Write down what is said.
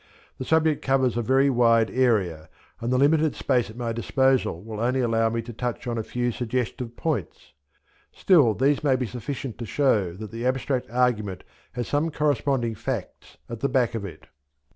The subject covers a very wide area, and the limited space at my disposal will only allow me to touch on a few suggestive points, still these may be sufficient to show that the abstract argument has some corresponding facts at the back of it.